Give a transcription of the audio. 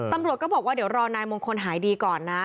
ตำรวจก็บอกว่าเดี๋ยวรอนายมงคลหายดีก่อนนะ